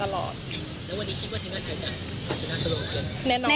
แล้ววันนี้คิดว่าทีมชาติไทยจะชนะสโลกเลยมั้ย